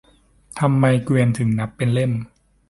ทำไมเกวียนถึงนับเป็นเล่ม